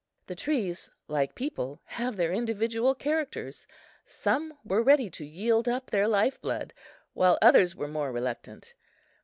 The trees, like people, have their individual characters; some were ready to yield up their life blood, while others were more reluctant.